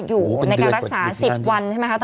อยู่ในการรักษา๑๐วัน